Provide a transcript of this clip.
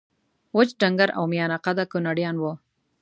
وچ ډنګر او میانه قده کونړیان وو